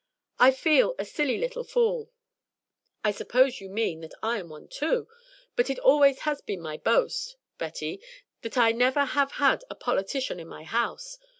I feel a silly little fool." "I suppose you mean that I am one too. But it always has been my boast, Betty, that I never have had a politician in my house.